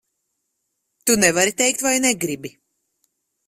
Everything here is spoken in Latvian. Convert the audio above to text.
Tu nevari teikt vai negribi?